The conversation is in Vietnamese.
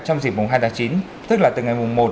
trong dịp mùng hai tháng chín tức là từ ngày mùng một